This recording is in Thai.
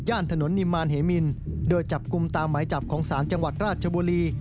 ถนนนิมานเฮมินโดยจับกลุ่มตามหมายจับของศาลจังหวัดราชบุรี